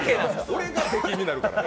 俺が出禁になるからね。